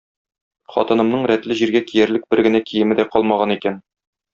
Хатынымның рәтле җиргә киярлек бер генә киеме дә калмаган икән.